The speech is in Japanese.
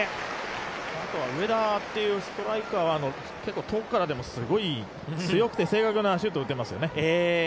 あとは上田というストライカーは遠くからでもすごい強くて正確なシュートを打てますよね。